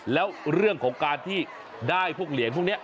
แล้วเรื่องของการที่ได้พวกเหรียญพวกนี้